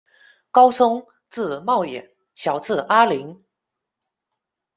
高崧，字茂琰，小字阿酃。